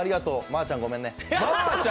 まーちゃん、ごめんね。